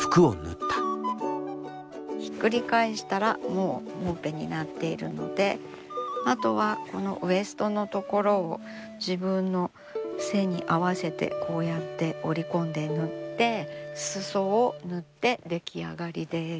ひっくり返したらもうもんぺになっているのであとはこのウエストの所を自分の背に合わせてこうやって折り込んで縫って裾を縫って出来上がりです。